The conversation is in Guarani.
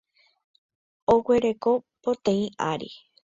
Oguereko poteĩ ary.